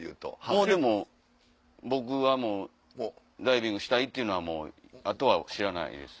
もうでも僕はもうダイビングしたいっていうのはもうあとは知らないです。